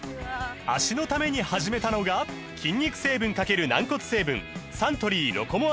脚のために始めたのが筋肉成分×軟骨成分サントリー「ロコモア」です